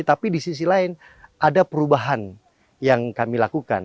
tapi di sisi lain ada perubahan yang kami lakukan